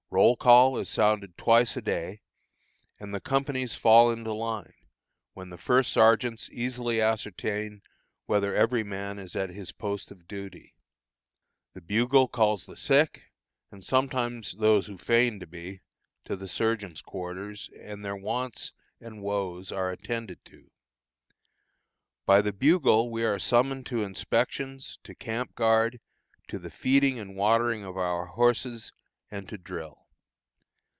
Roll call is sounded twice a day, and the companies fall into line, when the first sergeants easily ascertain whether every man is at his post of duty. The bugle calls the sick, and sometimes those who feign to be, to the surgeon's quarters, and their wants and woes are attended to. By the bugle we are summoned to inspections, to camp guard, to the feeding and watering of our horses and to drill.